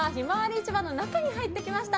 市場の中に入ってきました。